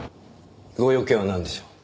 ご用件はなんでしょう？